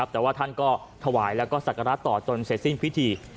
แต่ว่าท่านก็ถวายแล้วก็ศักระต่อจนเสร็จสิ้นพิธี